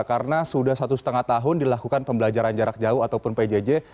karena sudah satu lima tahun dilakukan pembelajaran jarak jauh ataupun pjj